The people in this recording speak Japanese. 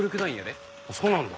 そうなんだ。